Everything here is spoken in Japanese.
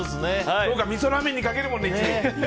みそラーメンにかけるもんね一味。